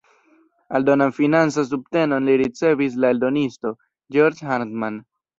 Aldonan financan subtenon li ricevis de la eldonisto "Georges Hartmann".